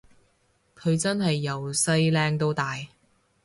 佢真係由細靚到大